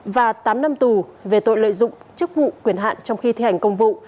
và tám năm tù về tội lợi dụng chức vụ quyền hạn trong khi thi hành công vụ